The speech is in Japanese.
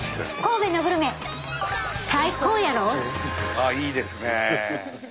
ああいいですね。